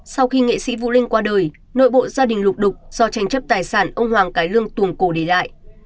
sau khi nghệ sĩ vũ linh qua đời nội bộ gia đình lục đục do tranh chấp tài sản ông hoàng cái lương tuồng cổ để lại